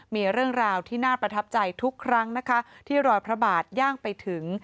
มีเรื่องราวที่น่าประทับใจทุกครั้งนะคะที่รอยพระบาทย่างไปถึง